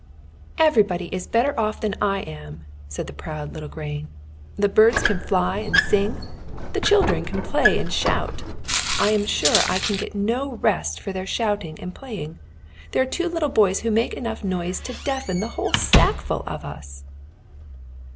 "Everybody is better off than I am," said the proud little grain. "The birds can fly and sing, the children can play and shout. I am sure I can get no rest for their shouting and playing. There are two little boys who make enough noise to deafen the whole sackful of us."